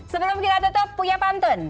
sebelum kita tutup punya pantun